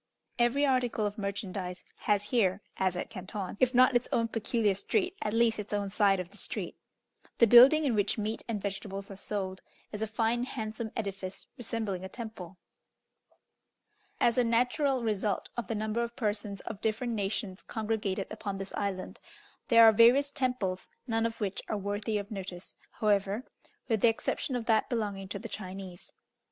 Every article of merchandise has here, as at Canton, if not its own peculiar street, at least its own side of the street. The building in which meat and vegetables are sold, is a fine handsome edifice resembling a temple. As a natural result of the number of persons of different nations congregated upon this island, there are various temples, none of which are worthy of notice, however, with the exception of that belonging to the Chinese.